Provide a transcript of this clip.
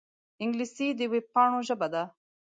انګلیسي د وېبپاڼو ژبه ده